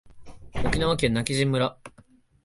沖縄県今帰仁村